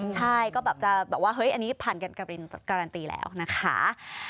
ใช่ก็แบบจะแบบว่าเฮ้ยอันนี้ผ่านกันการันตีแล้วนะคะ